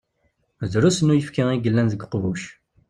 Drusn uyefki i yellan deg uqbuc.